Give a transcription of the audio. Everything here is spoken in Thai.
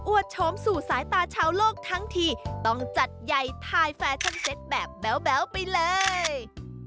อวดโชมสู่สายตาชาวโลกทั้งทีต้องจัดใยไทแฟชั่นเซ็ทแบบแบ๊วไปเลย